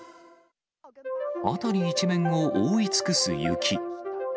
辺り一面を覆い尽くす雪。